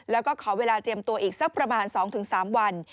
แล้วก็ขอเวลาเตรียมตัวอีกสักประมาณ๒๓วัน